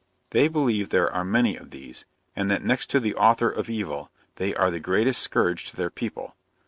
They believe there are many of these, and that next to the author of evil, they are the greatest scourge to their people.